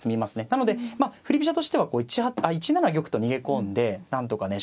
なので振り飛車としては１七玉と逃げ込んでなんとかね